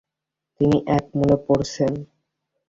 তিনি একমনে পড়ছেন।